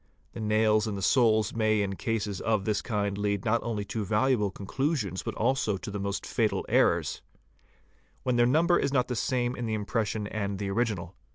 The nails and the — soles may in cases of this kind lead not only to valuable conclusions but also to the most fatal errors, when their number is not the same in — MEASUREMENTS 535 the impression and the original.